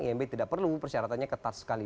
imb tidak perlu persyaratannya ketat sekali